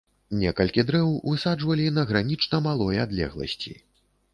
Некалькі дрэў высаджвалі на гранічна малой адлегласці.